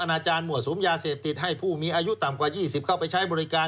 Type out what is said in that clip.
อาจารย์หมวดสุมยาเสพติดให้ผู้มีอายุต่ำกว่า๒๐เข้าไปใช้บริการ